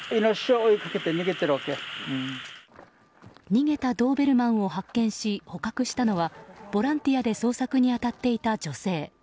逃げたドーベルマンを発見し捕獲したのはボランティアで捜索に当たっていた女性。